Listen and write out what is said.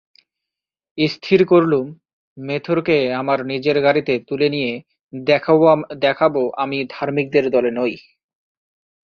স্থির করলুম, মেথরকে আমার নিজের গাড়িতে তুলে নিয়ে দেখাব আমি ধার্মিকদের দলে নই।